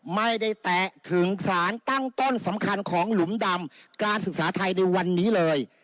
แตะถึงสารตั้งต้นสำคัญของหลุมดำการศึกษาไทยในวันนี้เลย